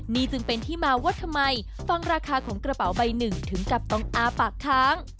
นี่จึงเป็นที่มาว่าทำไมฟังราคาของกระเป๋าใบหนึ่งถึงกับต้องอ้าปากค้าง